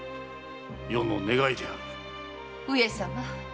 上様